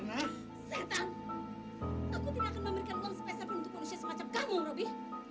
aku tidak akan memberikan uang spesial pun untuk manusia semacam kamu robby